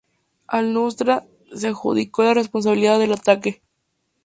Al-Nusra se adjudicó la responsabilidad del ataque.